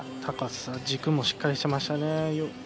高さ、軸もしっかりしてましたね。